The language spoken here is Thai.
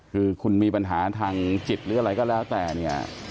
คือคุณมีปัญหาทางจิตหรืออะไรก็แล้วแต่เนี่ย